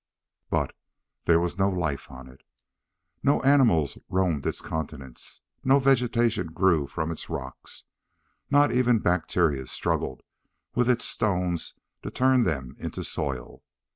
But there was no life on it. No animals roamed its continents. No vegetation grew from its rocks. Not even bacteria struggled with its stones to turn them into soil.